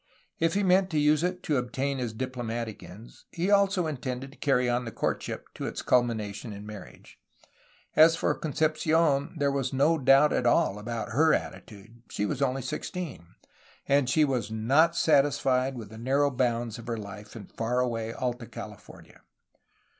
If he meant to use it to obtain his diplomatic ends, he also intended to carry on the courtship to its culmination in marriage. As for Concepci6n, there was no doubt at all about her attitude. She was only sixteen! And she was not satisfied with the narrow bounds of her life in far away Alta California.